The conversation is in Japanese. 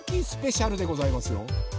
スペシャルでございますよ！